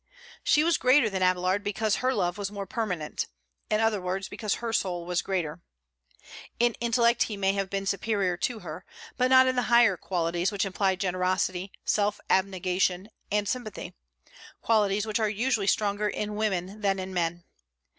She was greater than Abélard, because her love was more permanent; in other words, because her soul was greater. In intellect he may have been superior to her, but not in the higher qualities which imply generosity, self abnegation, and sympathy, qualities which are usually stronger in women than in men.